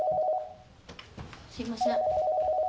すいません。